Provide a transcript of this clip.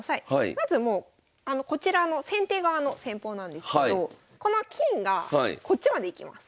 まずもうこちらの先手側の戦法なんですけどこの金がこっちまで行きます。